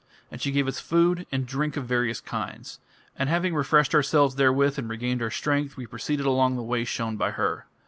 And she gave us food and drink of various kinds. And having refreshed ourselves therewith and regained our strength, we proceeded along the way shown by her.